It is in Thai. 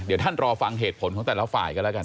เดี๋ยวท่านรอฟังเหตุผลของแต่ละฝ่ายกันแล้วกัน